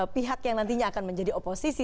pihak yang nantinya akan menjadi oposisi